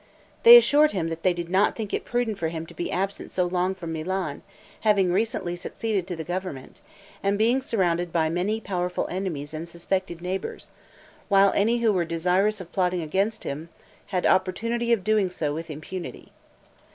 They assured him they did not think it prudent for him to be absent so long from Milan, having recently succeeded to the government, and being surrounded by many powerful enemies and suspected neighbors; while any who were desirous of plotting against him, had an opportunity of doing so with impunity.